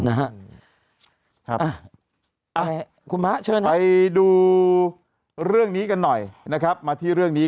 นะฮะคุณพระเชิญไปดูเรื่องนี้กันหน่อยนะครับมาที่เรื่องนี้